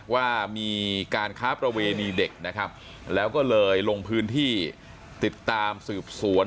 ว่ามีการค้าประเวณีเด็กนะครับแล้วก็เลยลงพื้นที่ติดตามสืบสวน